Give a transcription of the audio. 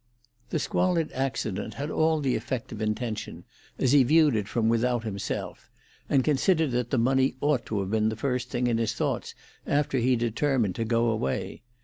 The squalid accident had all the effect of intention, as he viewed it from without himself, and considered that the money ought to have been the first thing in his thoughts after he determined to go away.